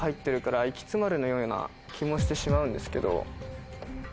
のような気もしてしまうんですけど。